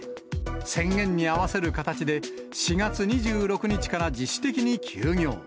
宣言に合わせる形で、４月２６日から自主的に休業。